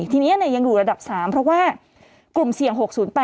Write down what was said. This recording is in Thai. ทีนี้ยังอยู่ระดับ๓เพราะว่ากลุ่มเสี่ยง๖๐๘